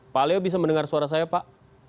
pak leo bisa mendengar suara saya pak